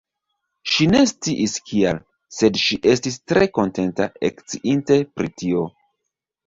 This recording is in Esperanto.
Ŝi ne sciis kial, sed ŝi estis tre kontenta, eksciinte pri tio.